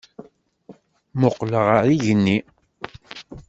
Mmuqqlen ɣer yigenni.